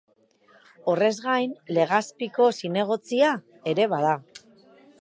Horrez gain, Legazpiko zinegotzia ere bada.